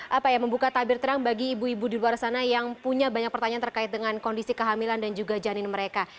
apa ya membuka tabir terang bagi ibu ibu di luar sana yang punya banyak pertanyaan terkait dengan kondisi kehamilan dan juga janin mereka